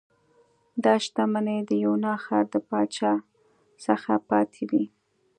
دا شتمنۍ د یونا ښار د پاچا څخه پاتې وې